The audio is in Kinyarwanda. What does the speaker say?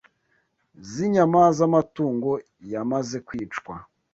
z’inyama z’amatungo yamaze kwicwa